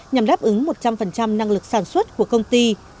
nhằm đáp ứng một trăm linh năng lực sản xuất của công ty